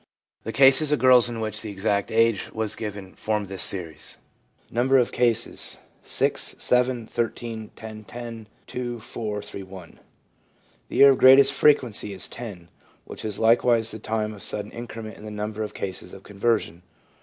The cases of girls in which the exact age was given form this series: — Number of Cases Age . 7 13 10 10 2 4 3 1 9 10 11 12 13 14 15 16 The year of greatest frequency is 10, which is likewise the time of sudden increment in the number of cases of conversion.